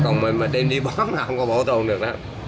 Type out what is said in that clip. không tao đi ngồi ở đây lại